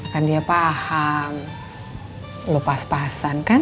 kan dia paham lu pas pasan kan